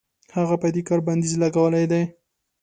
هغه په دې کار بندیز لګولی دی.